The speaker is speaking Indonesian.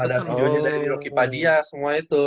pada videonya dari rocky padilla semua itu